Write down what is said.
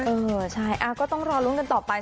เออใช่ก็ต้องรอลุ้นกันต่อไป